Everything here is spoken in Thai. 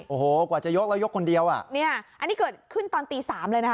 โอ้โหกว่าจะยกแล้วยกคนเดียวอ่ะเนี่ยอันนี้เกิดขึ้นตอนตีสามเลยนะคะ